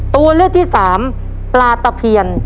ตัวเลือกที่สามปลาตะเพียน